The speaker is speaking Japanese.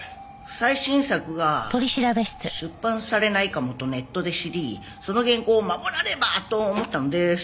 最新作が出版されないかもとネットで知りその原稿を守らねばと思ったのです。